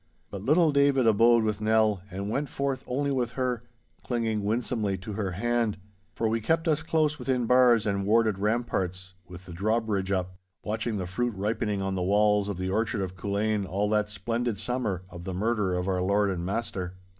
But little David abode with Nell and went forth only with her, clinging winsomely to her hand; for we kept us close within bars and warded ramparts, with the drawbridge up, watching the fruit ripening on the walls of the orchard of Culzean all that splendid summer of the murder of our lord and master.